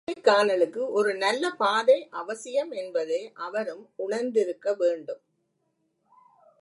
கோடைக்கானலுக்கு ஒரு நல்ல பாதை அவசியம் என்பதை அவரும் உணர்ந்திருக்க வேண்டும்.